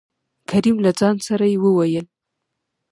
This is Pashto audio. کريم : له ځان سره يې ووېل: